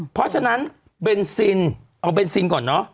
เพราะฉะนั้นเบนซินเอาเบนซินก่อนเนอะ